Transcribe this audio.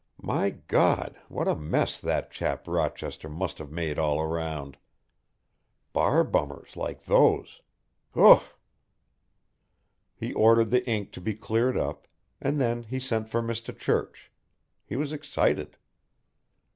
"My God, what a mess that chap Rochester must have made all round. Bar bummers like those! Heu!" He ordered the ink to be cleared up, and then he sent for Mr. Church. He was excited.